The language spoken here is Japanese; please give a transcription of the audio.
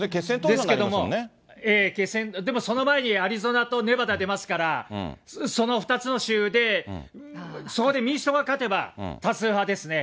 ですけども、でもその前に、アリゾナとネバダ出ますから、その２つの州で、そこで民主党が勝てば、多数派ですね。